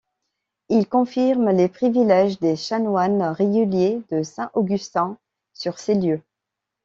Il confirme les privilèges des chanoines réguliers de Saint-Augustin sur ces lieux.